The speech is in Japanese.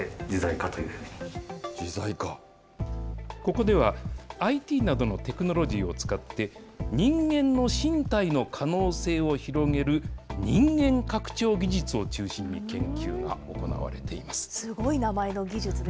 ここではＩＴなどのテクノロジーを使って、人間の身体の可能性を広げる、人間拡張技術を中心に研究が行われています。